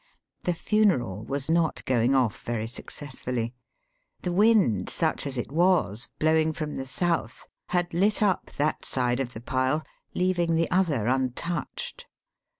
The funeral was not going off very successfully* The wind, such as it was, blowing from the south, had Ut up that side of the pile, leaving the other untouched.